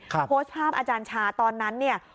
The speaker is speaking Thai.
คนพอชอบอาจารย์ชาตอนนั้นเนี่ย